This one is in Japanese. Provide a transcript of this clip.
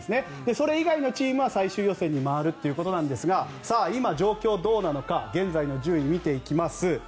それ以外のチームは最終予選に回るということなんですが今、状況はどうなのか現在の順位を見ていきます。